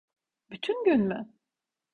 Bütün gün mü?